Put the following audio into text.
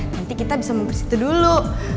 nanti kita bisa mampir situ dulu